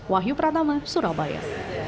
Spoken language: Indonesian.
wahyu pratama surabaya